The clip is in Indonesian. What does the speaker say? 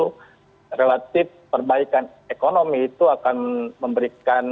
jadi itu relatif perbaikan ekonomi itu akan memberikan